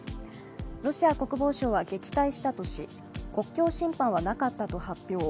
ロシア国防省は撃退したとし国境侵犯はなかったと発表。